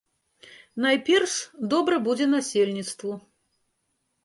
Найперш, добра будзе насельніцтву.